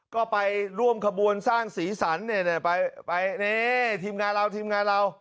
ก็ไปร่วมขบวนสร้างศรีสรรค์เนี่ยไปไปนี่ทีมงานเราทีมงานเรา